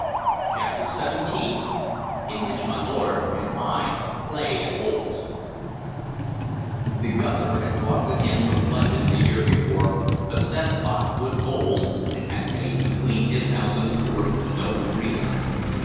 CHAPTER XVII IN WHICH MY LORD AND I PLAY AT BOWLS THE Governor had brought with him from London the year before, a set of boxwood bowls, and had made, between his house and the fort, a noble green.